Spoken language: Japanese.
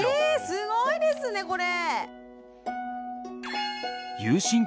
すごいですねこれ。